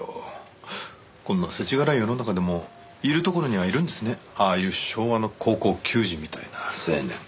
こんな世知辛い世の中でもいるところにはいるんですねああいう昭和の高校球児みたいな青年。